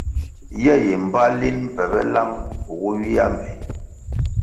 Ye yi mbpa linʼ mpebe lang kugu ywia mbpi.